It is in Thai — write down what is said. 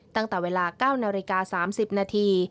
ตั้งแต่เวลา๙นาฬิกา๓๐นาที